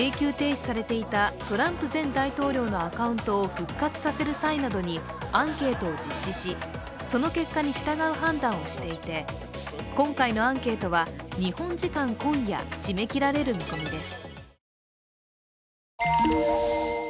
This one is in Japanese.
復活させる際などにアンケートを実施しその結果に従う判断をしていて、今回のアンケートは日本時間今夜締め切られる見込みです。